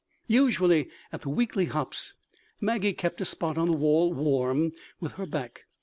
Usually at the weekly hops Maggie kept a spot on the wall warm with her back.